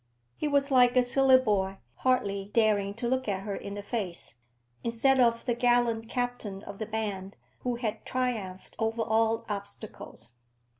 He was like a silly boy, hardly daring to look her in the face, instead of the gallant captain of the band who had triumphed over all obstacles.